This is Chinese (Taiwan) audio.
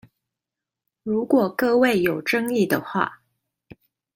如果各位有爭議的話